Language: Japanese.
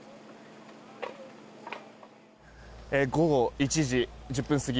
午後１時１０分過ぎ